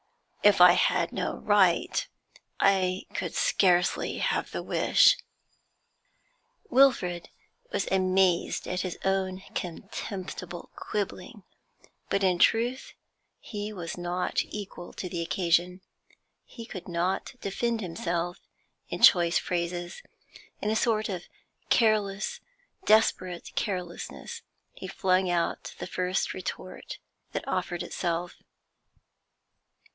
'If I had no right, I could scarcely have the wish.' Wilfrid was amazed at his own contemptible quibbling, but in truth he was not equal to the occasion. He could not defend himself in choice phrases; in a sort of desperate carelessness he flung out the first retort that offered itself.